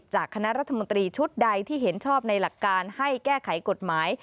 คณะรัฐมนตรีชุดใดที่เห็นชอบในหลักการให้แก้ไขกฎหมาย